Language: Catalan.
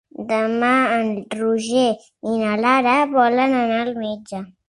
Demà en Roger i na Lara volen anar al metge.